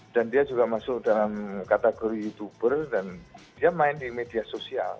dan dia juga masuk dalam kategori youtuber dan dia main di media sosial